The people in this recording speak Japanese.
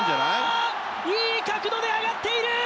いい角度で上がっている！